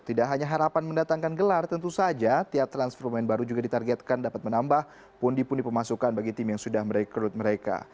tidak hanya harapan mendatangkan gelar tentu saja tiap transfermen baru juga ditargetkan dapat menambah pundi pundi pemasukan bagi tim yang sudah merekrut mereka